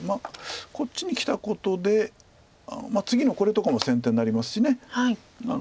こっちにきたことで次のこれとかも先手になりますし。